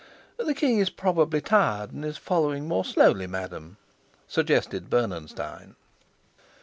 "The king is probably tired, and is following more slowly, madam," suggested Bernenstein.